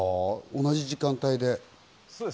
同じ時間帯で。